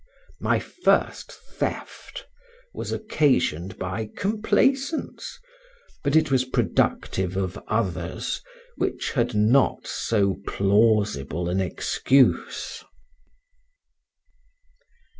My first theft was occasioned by complaisance, but it was productive of others which had not so plausible an excuse.